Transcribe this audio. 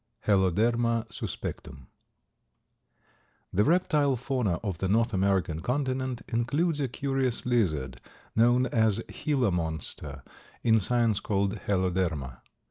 (Heloderma suspectum.) The reptile fauna of the North American continent includes a curious lizard known as Gila Monster, in science called Heloderma.